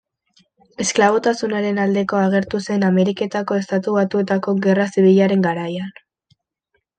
Esklabotasunaren aldeko agertu zen Ameriketako Estatu Batuetako Gerra Zibilaren garaian.